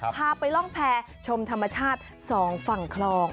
พาไปร่องแพรชมธรรมชาติ๒ฝั่งคลอง